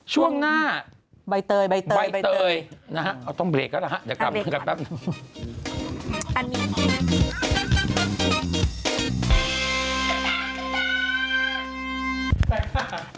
ช่วงหน้าใบเตยใบเตยใบเตยนะฮะเอาต้องเบรกแล้วล่ะฮะเดี๋ยวกลับมากันแป๊บหนึ่ง